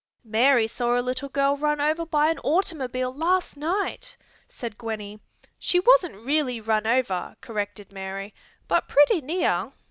"Mary saw a little girl run over by an automobile last night," said Gwenny. "She wasn't really run over," corrected Mary, "but pretty near."